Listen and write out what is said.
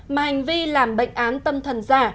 mà hành vi làm bệnh án tâm thần giả